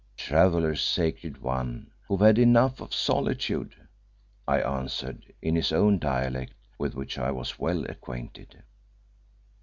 "Travellers, Sacred One, who have had enough of solitude," I answered in his own dialect, with which I was well acquainted.